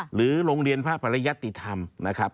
หรือโรงเรียนพระปรยัตติธรรมนะครับ